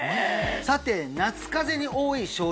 さて夏風邪に多い症状